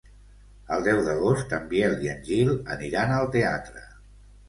El deu d'agost en Biel i en Gil aniran al teatre.